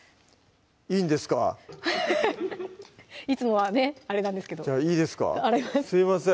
いいんですかいつもはねあれなんですけどじゃあいいですか洗います